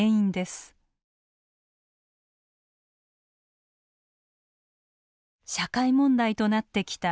社会問題となってきたいじめ。